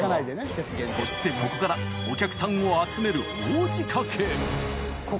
そしてここからお客さんを集める大仕掛け